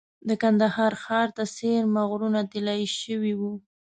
د کندهار ښار ته څېرمه غرونه طلایي شوي وو.